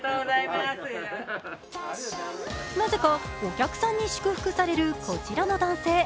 なぜかお客さんに祝福されるこちらの男性。